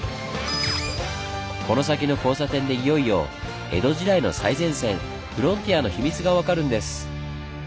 この先の交差点でいよいよ江戸時代の最前線フロンティアの秘密が分かるんです。